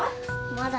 まだ。